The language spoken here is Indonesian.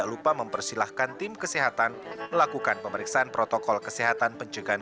lupa mempersilahkan tim kesehatan melakukan pemeriksaan protokol kesehatan pencegahan